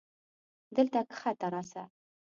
دلته کښته راسه.